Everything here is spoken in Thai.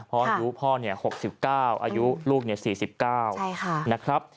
เพราะอายุพ่อ๖๙อายุลูก๔๙นะครับ